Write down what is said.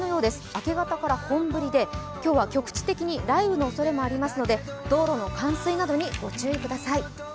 明け方から本降りで今日は局地的に雷雨のおそれもありますので道路の冠水などにご注意ください。